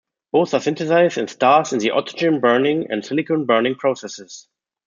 Both are synthesised in stars in the oxygen-burning and silicon-burning processes.